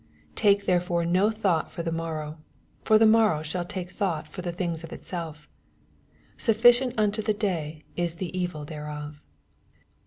84 Take therefore no thought for the morrow: for the morrow shall take thought for the thing^s of itself Suffident unto the day U the evil thereof.